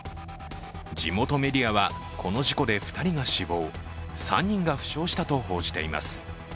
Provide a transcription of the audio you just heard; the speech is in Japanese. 地元メディアは、この事故で２人が死亡、３人が負傷したと報じています。